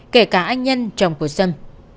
kể cả anh nhân chồng của sâm